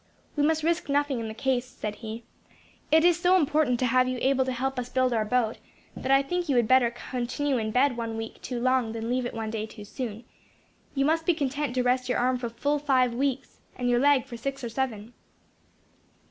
"We must risk nothing in the case," said he. "It is so important to have you able to help us build our boat, that I think you had better continue in bed one week too long than leave it one day too soon. You must be content to rest your arm for full five weeks, and your leg for six or seven."